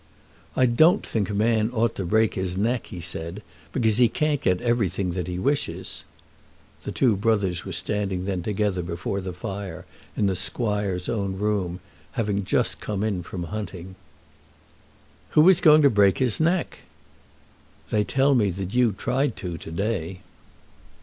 "I don't think a man ought to break his neck," he said, "because he can't get everything that he wishes." The two brothers were standing then together before the fire in the squire's own room, having just come in from hunting. "Who is going to break his neck?" "They tell me that you tried to to day."